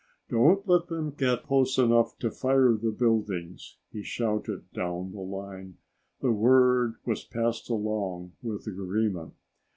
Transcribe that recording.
"Don't let them get close enough to fire the buildings!" he shouted down the line. The word was passed along with agreement.